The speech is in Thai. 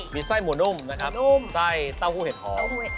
มีไส้หมูนุ่มนะครับไส้เต้าหู้เห็ดหอม